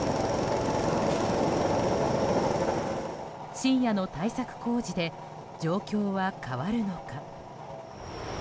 深夜の対策工事で状況は変わるのか。